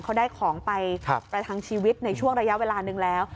เขาได้ของไปประทังชีวิตในช่วงระยะเวลาหนึ่งแล้ว